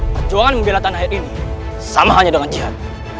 perjuangan membela tanah air ini sama hanya dengan jihad